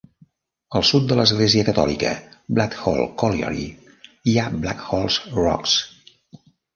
Al sud de l'església catòlica Blackhall Colliery hi ha Blackhall Rocks.